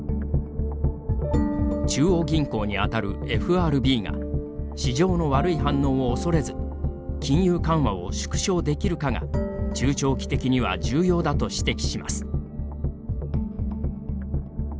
中央銀行に当たるＦＲＢが市場の悪い反応を恐れず金融緩和を縮小できるかが中長期的には重要だと指摘します。